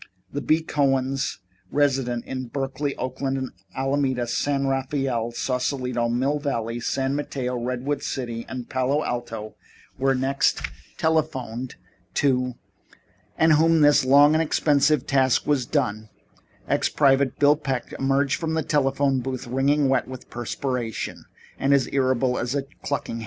The B. Cohens resident in Berkeley, Oakland, Alameda, San Rafael, Sausalito, Mill Valley, San Mateo, Redwood City and Palo Alto were next telephoned to, and when this long and expensive task was done, Ex Private Bill Peck emerged from the telephone booth wringing wet with perspiration and as irritable as a clucking hen.